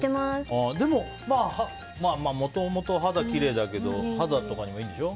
もともと肌きれいだけど肌とかにもいいんでしょ。